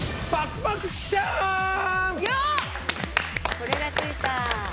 これがついた！